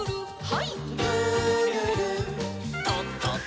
はい。